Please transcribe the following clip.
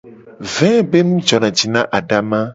Ve be nu jona ji na adama.